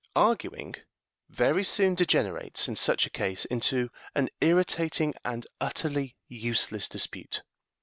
Arguing very soon degenerates, in such a case, into an irritating and utterly useless dispute.